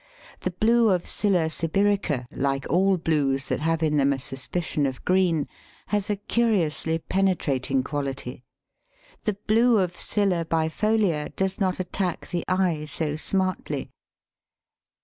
The blue of Scilla sibirica, like all blues that have in them a suspicion of green, has a curiously penetrating quality; the blue of Scilla bifolia does not attack the eye so smartly.